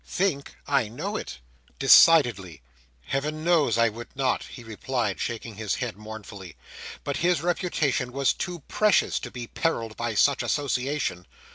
"Think! I know it." "Designedly, Heaven knows I would not," he replied, shaking his head mournfully; "but his reputation was too precious to be perilled by such association.